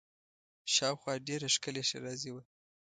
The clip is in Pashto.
شاوخوا ډېره ښکلې ښېرازي وه.